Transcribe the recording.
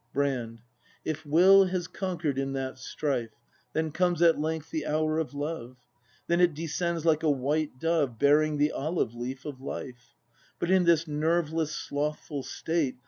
Brand. If Will has conquer'd in that strife. Then comes at length the hour of Love; Then it descends like a white dove. Bearing the olive leaf of life: But in this nerveless, slothful state.